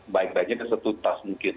baik saja ini satu tas mungkin